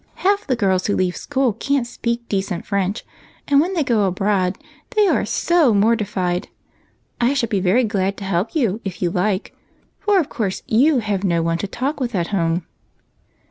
Half the girls who leave school can't sjDeak decent French, and when they go abroad they are so mortified. I shall be very glad to help you, if you like, for of course you have no one to talk with at home."